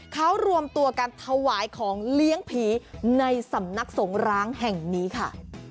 เขารวมตัวกันถวายของเลี้ยงผีในสำนักสงร้างแห่งนี้ค่ะ